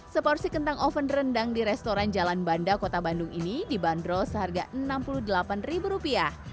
seporsi kentang oven rendang di restoran jalan banda kota bandung ini dibanderol seharga enam puluh delapan rupiah